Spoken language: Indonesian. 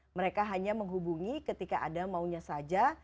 mereka hanya menghubungi ketika ada maunya saja